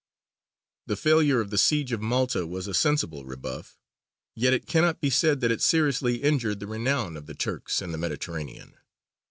The failure of the siege of Malta was a sensible rebuff, yet it cannot be said that it seriously injured the renown of the Turks in the Mediterranean.